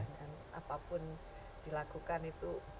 dan apapun dilakukan itu